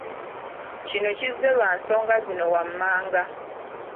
Kino kizze lwansonga zino wammanga;